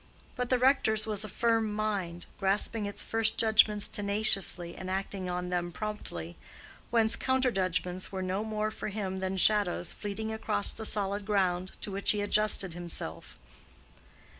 But the rector's was a firm mind, grasping its first judgments tenaciously and acting on them promptly, whence counter judgments were no more for him than shadows fleeting across the solid ground to which he adjusted himself.